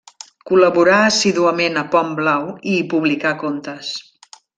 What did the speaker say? Col·laborà assíduament a Pont Blau i hi publicà contes.